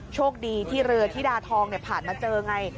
โชคดีที่เรือที่ดาทองเนี่ยผ่านมาเจอไง